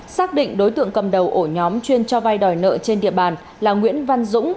xác định đối tượng cầm đầu ổ nhóm chuyên cho vay đòi nợ trên địa bàn là nguyễn văn dũng